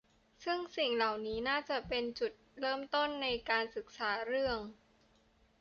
ซึ่งสิ่งเหล่านี้น่าจะเป็นจุดเริ่มต้นในการศึกษาเรื่อง